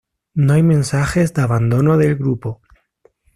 No hay mensajes de abandono del grupo.